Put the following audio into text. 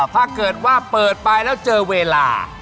ถ้าเกิดว่าเปิดไปแล้วเจอเวลา